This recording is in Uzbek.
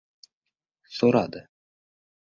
so‘radi.